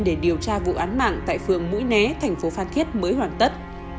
để điều tra vụ án mạng tại phường mũi né thành phố phan thiết mới hoàn tất